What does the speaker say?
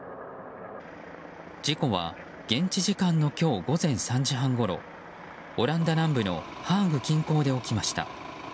事故は現地時間の今日午前３時半ごろオランダ南部のハーグ近郊で起きました。